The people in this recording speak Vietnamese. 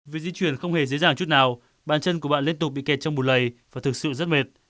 việc di chuyển không hề dễ dàng chút nào bàn chân của bạn liên tục bị kẹt trong bù lầy và thực sự rất mệt